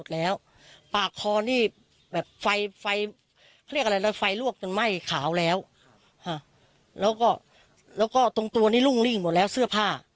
แล้วก็ตรงตัวนี้รุ่งริ่งหมดแล้วเสื้อผ้า